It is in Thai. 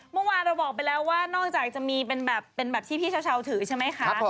เมื่อวานเราบอกไปแล้วว่านอกจากจะมีเป็นแบบเป็นแบบที่พี่เช้าถือใช่ไหมคะ